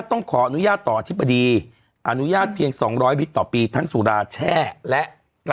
ต้องขออนุญาตต่ออธิบดีอนุญาตเพียง๒๐๐ลิตรต่อปีทั้งสุราแช่และ